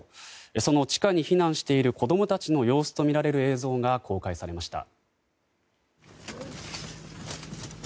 その地下に避難している子供たちの様子とみられる映像が公開されました。